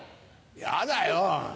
やだよ。